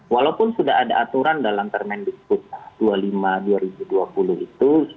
walaupun sudah ada aturan dalam permendikbud dua puluh lima dua ribu dua puluh itu